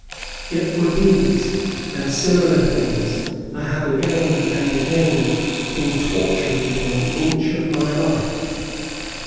Yet for these and similar things I have again and again been tortured within an inch of my life.